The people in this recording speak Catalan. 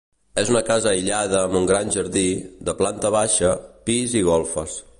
És una casa aïllada amb un gran jardí, de planta baixa, pis i golfes.